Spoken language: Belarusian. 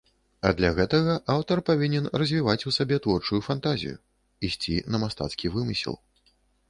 А для гэтага аўтар павінен развіваць у сабе творчую фантазію, ісці на мастацкі вымысел.